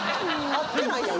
合ってないやん。